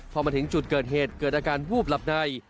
พอมาถึงจุดเกิดเหตุเกิดอาการวูบหลับใน